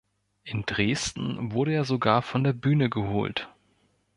In Dresden wurde er sogar von der Bühne geholt.